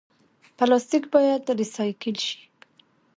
پلاستیک باید ریسایکل شي